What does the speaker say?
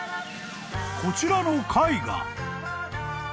［こちらの絵画］